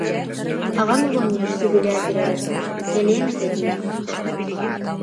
Аҕам оҕонньор сөбүлээтэр эрэ, кэлиэм этэ диир.